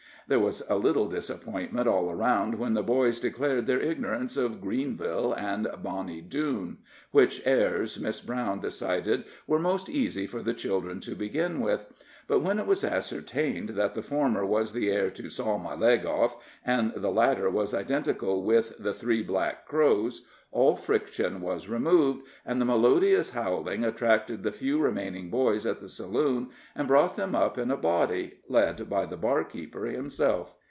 There was a little disappointment all around when the boys declared their ignorance of "Greenville" and "Bonny Doon," which airs Miss Brown decided were most easy for the children to begin with; but when it was ascertained that the former was the air to "Saw My Leg Off," and the latter was identical with the "Three Black Crows," all friction was removed, and the melodious howling attracted the few remaining boys at the saloon, and brought them up in a body, led by the barkeeper himself.